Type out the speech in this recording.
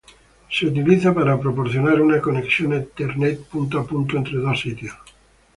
Se utiliza para proporcionar una conexión Ethernet punto a punto entre dos sitios.